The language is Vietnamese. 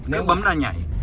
nếu bấm ra nhảy